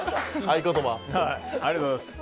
ありがとうございます。